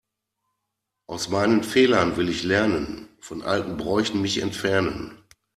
Aus meinen Fehlern will ich lernen, von alten Bräuchen mich entfernen.